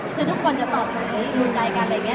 คือทุกคนจะตอบเป็นใจอะไรอย่างเงี้ย